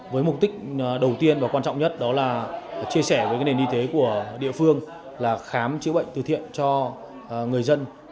với mục đích đầu tiên và quan trọng nhất đó là chia sẻ với nền y tế của địa phương là khám chữa bệnh từ thiện cho người dân